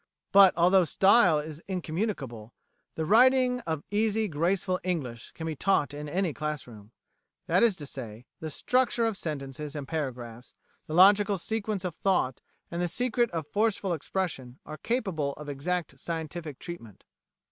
But although style is incommunicable, the writing of easy, graceful English can be taught in any class room that is to say, the structure of sentences and paragraphs, the logical sequence of thought, and the secret of forceful expression are capable of exact scientific treatment.